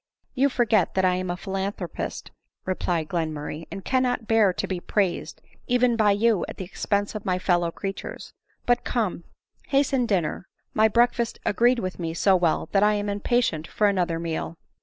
" You forget that I am a philanthropist," replied Glen murray, " and cannot bear to be praised, even by you, at the expense of my fellow qreatures. But come, hasten dinner, my breakfast agreed with me so well, that I am impatient for another meal.